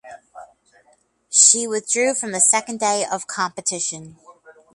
She withdrew from the second day of competition.